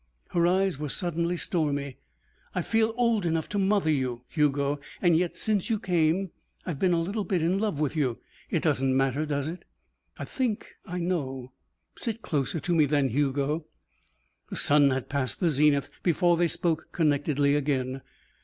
Her eyes were suddenly stormy. "I feel old enough to mother you, Hugo. And yet, since you came, I've been a little bit in love with you. It doesn't matter, does it?" "I think I know " "Sit closer to me then, Hugo." The sun had passed the zenith before they spoke connectedly again.